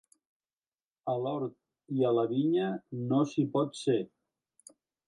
A l'hort i a la vinya no s'hi pot ser.